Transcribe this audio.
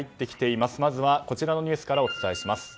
まずはこちらのニュースからお伝えします。